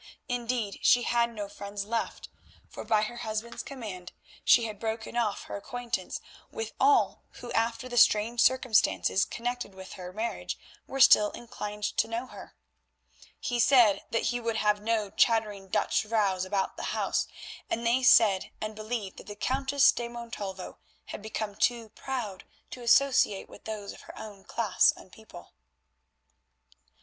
Indeed, she had no friends left, for by her husband's command she had broken off her acquaintance with all who after the strange circumstances connected with her marriage were still inclined to know her. He said that he would have no chattering Dutch vrouws about the house, and they said and believed that the Countess de Montalvo had become too proud to associate with those of her own class and people.